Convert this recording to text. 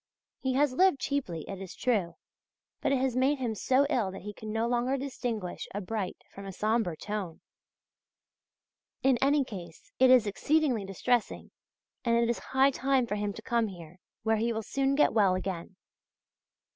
He has lived cheaply, it is true, but it has made him so ill that he can no longer distinguish a bright from a sombre tone. In any case it is exceedingly distressing, and it is high time for him to come here, where he will soon get well again.